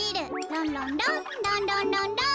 ランランランランランランラン！